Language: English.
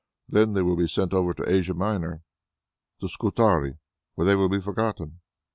Then they will be sent over to Asia Minor, to Scutari, where they will be forgotten.